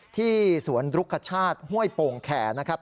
ที่สวนรุกชาติห้วยโป่งแข่นะครับ